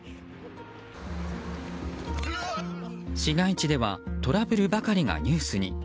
市街地ではトラブルばかりがニュースに。